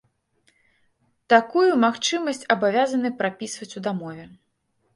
Такую магчымасць абавязаны прапісваць ў дамове.